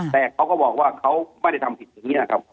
แต่เขาก็บอกว่าเขาไม่ได้ทำผิดอย่างนี้นะครับ